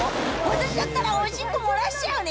私だったらおしっこ漏らしちゃうね